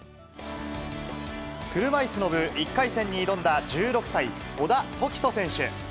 車いすの部１回戦に挑んだ１６歳、小田凱人選手。